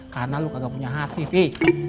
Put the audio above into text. karena lu kagak punya hati sih